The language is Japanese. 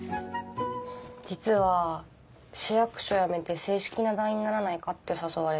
実は市役所辞めて正式な団員にならないかって誘われた。